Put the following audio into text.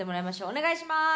お願いします。